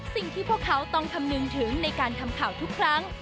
สิ่งที่พวกเขาต้องคำนึงถึงในการทำข่าวทุกครั้ง